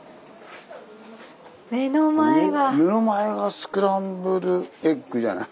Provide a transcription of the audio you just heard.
目の前がスクランブルエッグじゃない。